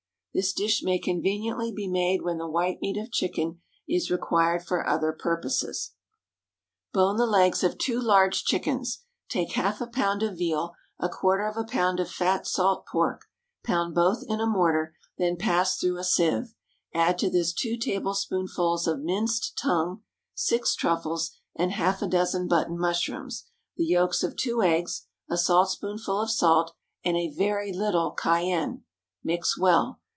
_ This dish may conveniently be made when the white meat of chicken is required for other purposes. Bone the legs of two large chickens; take half a pound of veal, a quarter of a pound of fat salt pork; pound both in a mortar, then pass through a sieve; add to this two tablespoonfuls of minced tongue, six truffles, and half a dozen button mushrooms, the yolks of two eggs, a saltspoonful of salt, and a very little cayenne. Mix well.